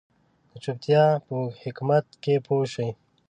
د چوپتيا په حکمت هم پوه شي.